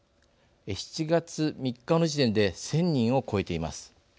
７月３日の時点で１，０００人を超えています。